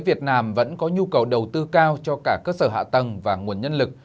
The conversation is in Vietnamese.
việt nam vẫn có nhu cầu đầu tư cao cho cả cơ sở hạ tầng và nguồn nhân lực